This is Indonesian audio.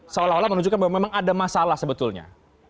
seolah olah menunjukkan bahwa memang ada masalah sebetulnya